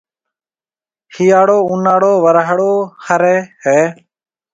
ھيَََاݪو، اُوناݪو، ورھاݪو، سرءِ ھيََََ